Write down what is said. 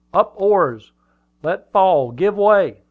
"Up oars! Let fall! Give way!"